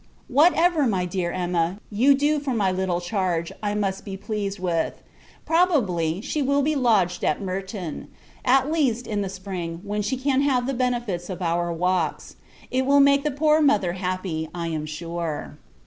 Whatever, my dear Emma, you do for my little charge, I must be pleased with. Probably, she will be lodged at Merton; at least, in the spring, when she can have the benefit of our walks. It will make the poor mother happy, I am sure.